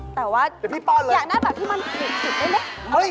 แต่ว่าน่าให้พี่มาหมดสิหนิเนี่ยหมดเลย